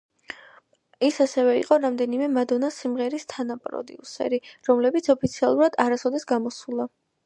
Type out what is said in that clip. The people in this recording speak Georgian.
ის ასევე იყო რამდენიმე მადონას სიმღერის თანაპროდიუსერი, რომლებიც ოფიციალურად არასოდეს გამოსულა.